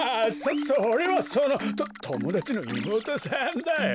そそれはそのとともだちのいもうとさんだよ！